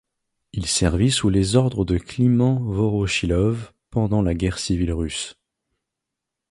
Il servit sous les ordres de Kliment Vorochilov pendant la Guerre civile russe.